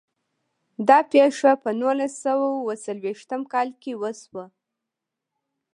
دا پیښه په نولس سوه او اووه څلوېښتم کال کې وشوه.